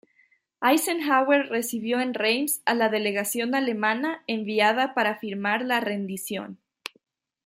Eisenhower recibió en Reims a la delegación alemana enviada para firmar la rendición.